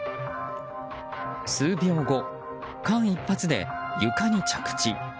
数秒後、間一髪で床に着地。